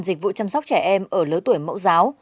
dịch vụ chăm sóc trẻ em ở lứa tuổi mẫu giáo